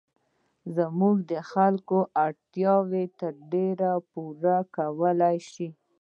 زموږ د خلکو اړتیاوې تر ډېره پوره کولای شي.